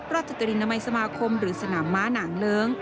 ราชตรีนามัยสมาคมหรือสนามม้าหน่างเลิ้ง